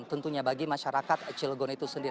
tentunya bagi masyarakat cilegon itu sendiri